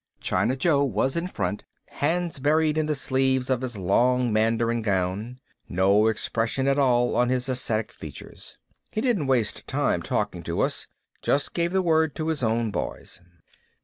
China Joe was in front, hands buried in the sleeves of his long mandarin gown. No expression at all on his ascetic features. He didn't waste time talking to us, just gave the word to his own boys.